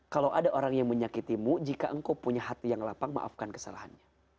kalau ada orang yang menyakitimu jika engkau punya hati yang lapang maafkan kesalahannya